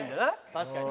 確かに。